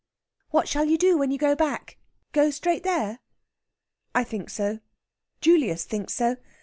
"What shall you do when you go back? Go straight there?" "I think so. Julius thinks so.